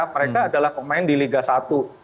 mereka adalah pemain di liga satu